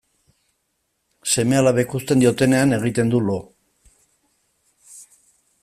Seme-alabek uzten diotenean egiten du lo.